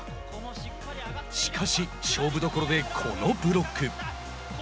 しかし、勝負どころでこのブロック。